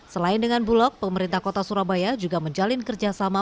selain dengan bulog pemerintah kota surabaya juga menjalin kerjasama